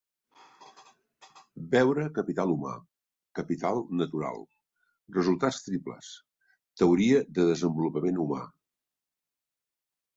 Veure capital humà, capital natural, resultats triples, teoria de desenvolupament humà.